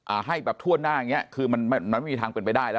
ให้แบบทั่วหน้าอย่างเงี้ยคือมันมันไม่มีทางเป็นไปได้แล้ว